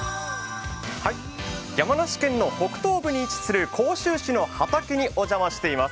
山梨県の北東部に位置する甲州市の畑にお邪魔しています。